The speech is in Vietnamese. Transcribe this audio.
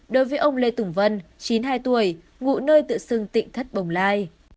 đối với ông lê tùng vân chín mươi hai tuổi ngụ nơi tự xưng tịnh thất bồng lai